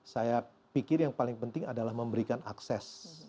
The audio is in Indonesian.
saya pikir yang paling penting adalah memberikan akses